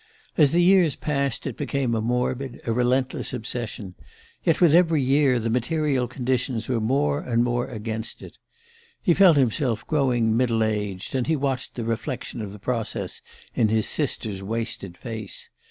As the years passed it became a morbid, a relentless obsession yet with every year the material conditions were more and more against it. He felt himself growing middle aged, and he watched the reflection of the process in his sister's wasted face.